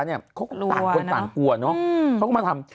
เขาปากคนต่างกลัวเขาก็มาทำ